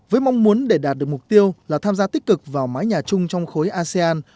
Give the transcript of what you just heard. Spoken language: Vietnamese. với mong muốn để đạt được mục tiêu là tham gia tích cực vào mái nhà chung trong khối asean